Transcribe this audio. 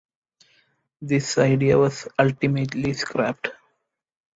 This idea was ultimately scrapped.